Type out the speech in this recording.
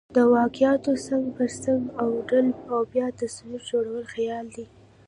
د واقعاتو څنګ پر څنګ اوډل او بیا تصویر جوړل خیال دئ.